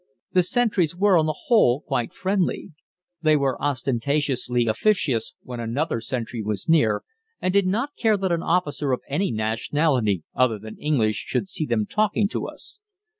The sentries were on the whole quite friendly. They were ostentatiously officious when another sentry was near, and did not care that an officer of any nationality other than English should see them talking to us.